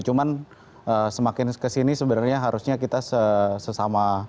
cuman semakin kesini sebenarnya harusnya kita sesama